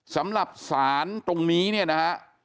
สำหรับศาลตรงนี้เนี่ยนะฮะ